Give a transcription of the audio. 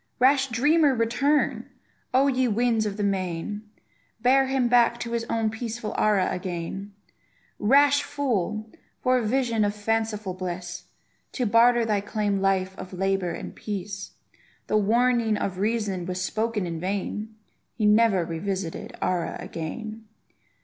Rash dreamer, return! O, ye winds of the main, Bear him back to his own peaceful Ara again. Rash fool! for a vision of fanciful bliss, To barter thy calm life of labour and peace. The warning of reason was spoken in vain; He never revisited Ara again!